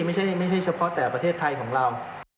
ไม่ใช่เฉพาะแต่ประเทศไทยของเรา